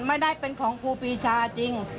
ไม่ได้เป็นของครูปีชาจริง